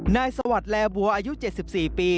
นายสวัสดีแล้วบัวอายุ๗๔ปี